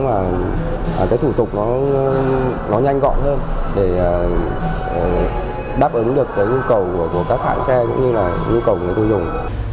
và cái thủ tục nó nhanh gọn hơn để đáp ứng được cái nhu cầu của các hãng xe cũng như là nhu cầu người tiêu dùng